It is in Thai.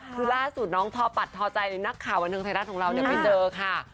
คือล่าสุดน้องทอปัดทอใจนักข่าวบันเทิงไทยรัฐของเราไปเจอค่ะ